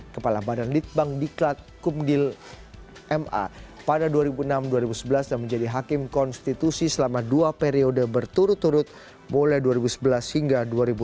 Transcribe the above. kepala badan litbang diklat kumdil ma pada dua ribu enam dua ribu sebelas dan menjadi hakim konstitusi selama dua periode berturut turut mulai dua ribu sebelas hingga dua ribu lima belas